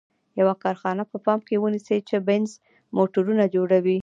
یوه کارخانه په پام کې ونیسئ چې بینز موټرونه جوړوي.